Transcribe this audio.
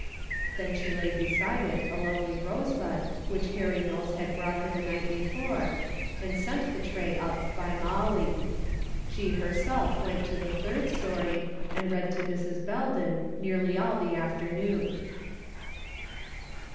'" Then she laid beside it a lovely rosebud which Harry Knowles had brought her the night before, and sent the tray up by Molly. She herself went to the third story, and read to Mrs. Belden nearly all the afternoon.